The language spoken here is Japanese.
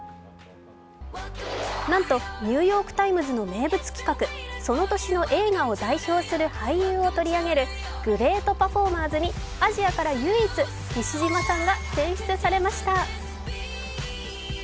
なんと「ニューヨーク・タイムズ」の名物企画その年の映画を代表する俳優を取り上げるＧｒｅａｔＰｅｒｆｏｒｍｅｒｓにアジアから唯一、西島さんが選出されました。